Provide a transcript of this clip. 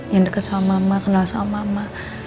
yang deket sama mama kenal sama mama